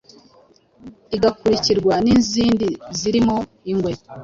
igakurikirwa n’izindi zirimo ingwe